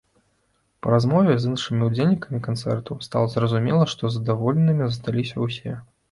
Па размове з іншымі ўдзельнікамі канцэрту стала зразумела, што задаволенымі засталіся ўсе!